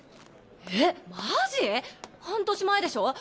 えっマジ⁉半年前でしょ？